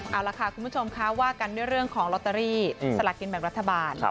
เอาล่ะค่ะคุณผู้ชมคะว่ากันด้วยเรื่องของลอตเตอรี่สลากินแบ่งรัฐบาล